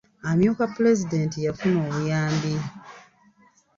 Amyuka pulezidenti yafuna obuyambi.